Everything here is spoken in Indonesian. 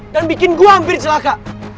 dan bikin gue hampir celaka